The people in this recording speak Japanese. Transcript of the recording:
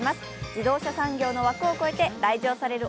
自動車産業の枠を超えて、来場される